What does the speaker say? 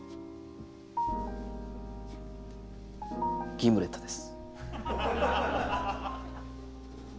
ギムレットです。